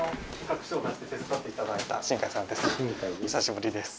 お久しぶりです。